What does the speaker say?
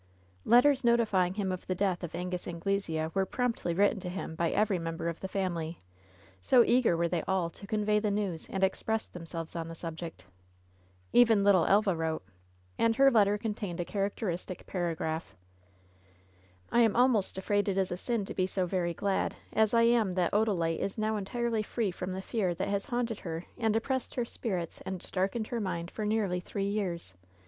Letters notifying him of the death of Angus Angle sea were promptly written to him by every member of the family, so eager were they all to convey the news and express themselves on the subject Even little Elva wrote, and her letter contained a characteristic paragraph: "I am almost afraid it is a sin to be so very glad, as I am that Odalite is now entirely free from the fear that has haunted her and oppressed her spirits and darkened her mind for nearly three years.